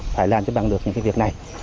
phải làm cho bằng được những việc này